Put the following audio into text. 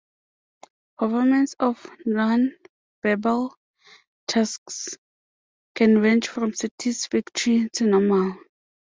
Performance of nonverbal tasks can range from satisfactory to normal.